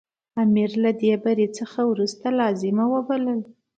امیر له دې بري څخه وروسته لازمه وبلله.